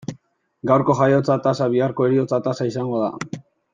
Gaurko jaiotza tasa biharko heriotza tasa izango da.